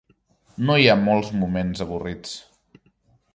No hi ha molts moments avorrits.